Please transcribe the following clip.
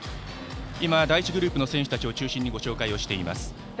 今、第１グループの選手たちを中心にご紹介しています。